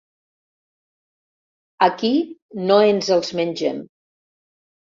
Aquí no ens els mengem.